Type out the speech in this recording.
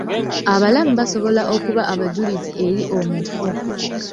Abalamu basobola okuba abajulizi eri omufu.